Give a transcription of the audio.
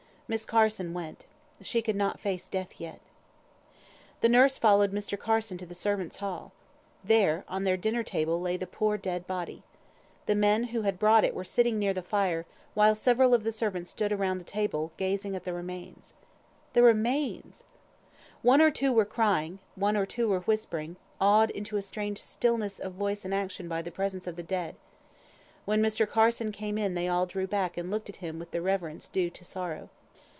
Miss Carson went. She could not face death yet. The nurse followed Mr. Carson to the servants' hall. There, on their dinner table, lay the poor dead body. The men who had brought it were sitting near the fire, while several of the servants stood round the table, gazing at the remains. The remains! One or two were crying; one or two were whispering; awed into a strange stillness of voice and action by the presence of the dead. When Mr. Carson came in they all drew back and looked at him with the reverence due to sorrow.